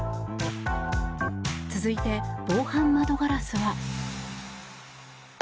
続いて、防犯窓ガラスは。